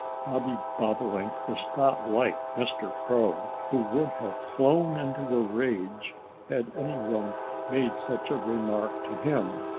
Bobby Bobolink was not like Mr. Crow, who would have flown into a rage had any one made such a remark to him.